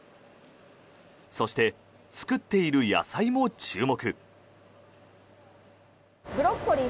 そして、作っている野菜も注目。